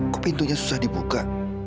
kok pintunya susah dibuka